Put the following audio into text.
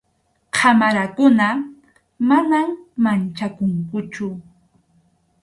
qamarakuna, manam manchakunkuchu.